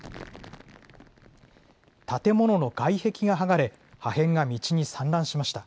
建物の外壁が剥がれ、破片が道に散乱しました。